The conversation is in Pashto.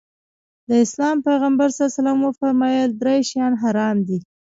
د اسلام پيغمبر ص وفرمايل درې شيان حرام دي.